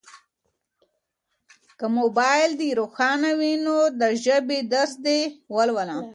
که موبایل دي روښانه وي نو د ژبې درس دي ولوله.